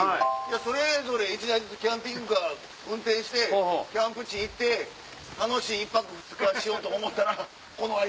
それぞれ１台ずつキャンピングカー運転してキャンプ地行って楽しい１泊２日しようと思ったら。